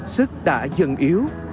sức đã dần yếu